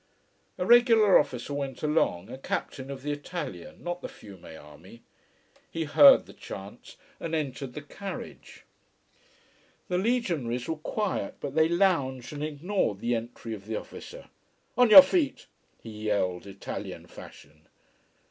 A regular officer went along a captain of the Italian, not the Fiume army. He heard the chants and entered the carriage. The legionaries were quiet, but they lounged and ignored the entry of the officer. "On your feet!" he yelled, Italian fashion.